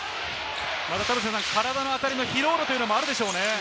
田臥さん、体の当たりの疲労度というのもあるでしょうね。